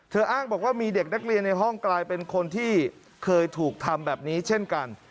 อ้างบอกว่ามีเด็กนักเรียนในห้องกลายเป็นคนที่เคยถูกทำแบบนี้เช่นกัน